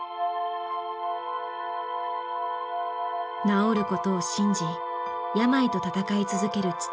治ることを信じ病と闘い続ける父。